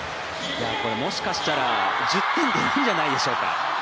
もしかしたら１０点出るんじゃないでしょうか。